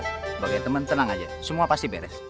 sebagai teman tenang aja semua pasti beres